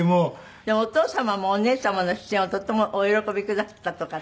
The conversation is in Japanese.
でもお父様もお姉様の出演をとってもお喜びくだすったとかって。